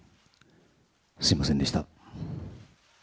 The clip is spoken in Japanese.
すみませんでした。